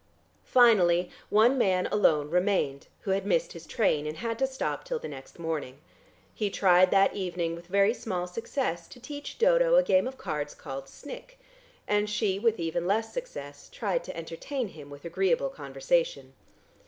Finally one man alone remained, who had missed his train and had to stop till the next morning. He tried that evening with very small success to teach Dodo a game of cards called "Snick," and she with even less success tried to entertain him with agreeable conversation.